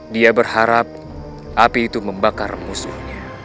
dia berharap api itu membakar musuhnya